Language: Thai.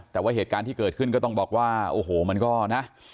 แต่ว่าเหตุการณ์ที่เกิดขึ้นก็ต้องบอกว่าโอ้โหมันก็นะ